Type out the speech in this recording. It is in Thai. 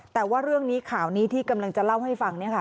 แต่ว่าเรื่องนี้ข่าวนี้ที่กำลังจะเล่าให้ฟัง